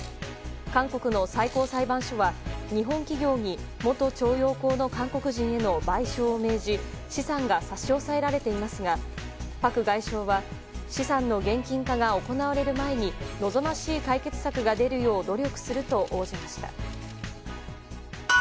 韓国の最高裁判所は日本企業の元徴用工の韓国人への賠償を命じ、資産が差し押さえられていますがパク外相は資産の現金化が行われる前に望ましい解決策が出るよう努力すると応じました。